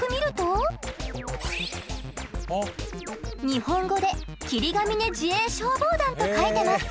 日本語で「霧ヶ峰自衛消防団」と書いてます。